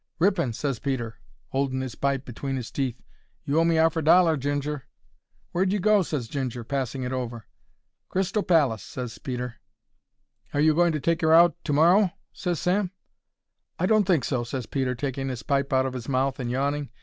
"Rippin'," ses Peter, holding 'is pipe tight between 'is teeth. "You owe me 'arf a dollar, Ginger." "Where'd you go?" ses Ginger, passing it over. "Crystal Pallis," ses Peter. "Are you going to take 'er out to morrow?" ses Sam. "I don't think so," ses Peter, taking 'is pipe out of 'is mouth and yawning.